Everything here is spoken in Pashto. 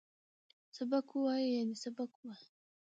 سبک وویه ، یعنی سبق ووایه